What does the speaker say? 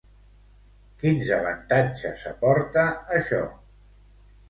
Quins avantatges aporta això?